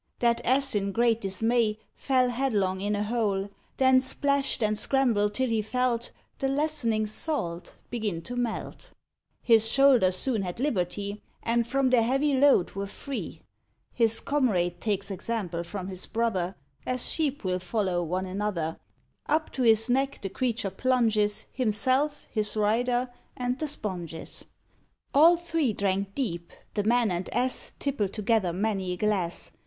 That Ass in great dismay Fell headlong in a hole; Then plashed and scrambled till he felt The lessening salt begin to melt; His shoulders soon had liberty, And from their heavy load were free. His comrade takes example from his brother, As sheep will follow one another; Up to his neck the creature plunges Himself, his rider, and the sponges; All three drank deep, the man and Ass Tipple together many a glass.